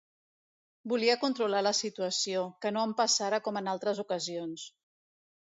Volia controlar la situació, que no em passara com en altres ocasions.